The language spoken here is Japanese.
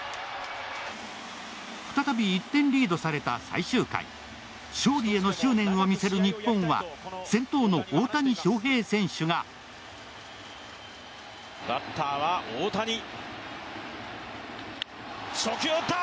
再び１点リードされた最終回勝利への執念を見せる日本は先頭の大谷翔平選手がバッターは大谷初球を打った！